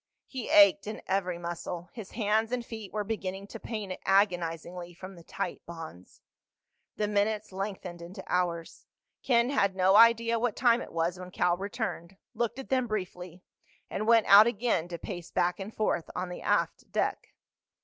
He ached in every muscle. His hands and feet were beginning to pain agonizingly from the tight bonds. The minutes lengthened into hours. Ken had no idea what time it was when Cal returned, looked at them briefly, and went out again to pace back and forth on the aft deck.